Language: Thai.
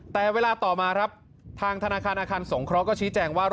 แต่เวลาต่อมาครับทางธนาคารอาคารสงเคราะห์ชี้แจงว่า